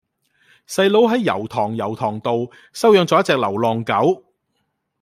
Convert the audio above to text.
細佬喺油塘油塘道收養左一隻流浪狗